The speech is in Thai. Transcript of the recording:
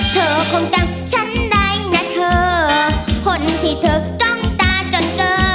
เธอคงจำฉันได้นะเธอคนที่เธอจ้องตาจนเจอ